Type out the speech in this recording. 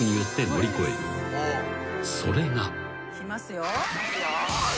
［それが］